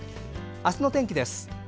明日の天気です。